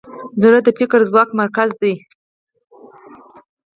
زړه د فکري ځواک مرکز دی.